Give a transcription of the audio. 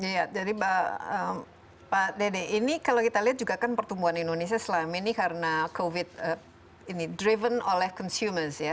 iya jadi pak dede ini kalau kita lihat juga kan pertumbuhan indonesia selama ini karena covid ini driven oleh consumers ya